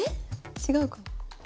違うかな。